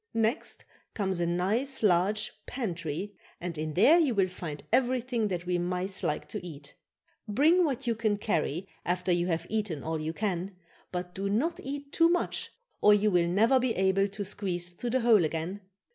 Next comes a nice, large pantry and in there you will find everything that we mice like to eat. Bring what you can carry, after you have eaten all you can, but do not eat too much or you will never be able to squeeze through the hole again.